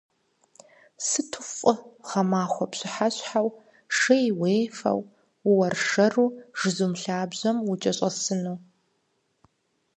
Сыту фӏы гъэмахуэ пщыхьэщхьэу шей уефэу, ууэршэру жызум лъабжьэм укӏэщӏэсыну.